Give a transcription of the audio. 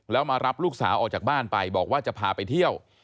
แล้วมารับลูกสาวออกจากบ้านไปบอกว่าจะพาไปเที่ยว